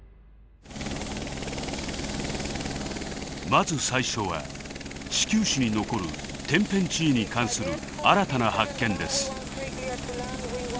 まず最初は地球史に残る天変地異に関する新たな発見です。